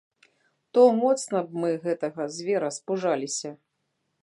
То моцна б мы гэтага звера спужаліся!